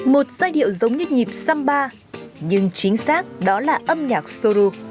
một giai điệu giống như nhịp samba nhưng chính xác đó là âm nhạc sô lô